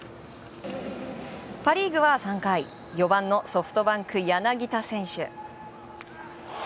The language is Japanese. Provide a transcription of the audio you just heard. パ・リーグは３回４番のソフトバンク、柳田選手。